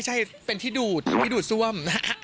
ใช่เป็นที่ดูดที่ดูดซ่วม